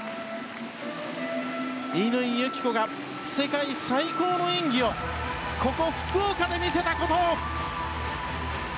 乾友紀子が世界最高の演技をここ福岡で見せたことを！